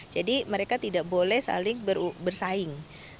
jadi mereka tidak boleh saling bersaing